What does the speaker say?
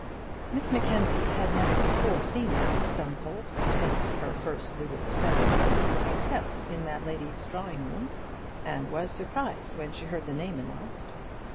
Miss Mackenzie had never before seen Mrs Stumfold since her first visit of ceremony, except in that lady's drawing room, and was surprised when she heard the name announced.